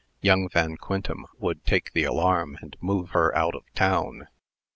Young Van Quintem would take the alarm, and move her out of town.